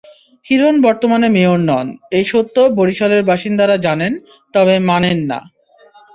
হিরন বর্তমানে মেয়র নন—এই সত্য বরিশালের বাসিন্দারা জানেন, তবে মানেন না।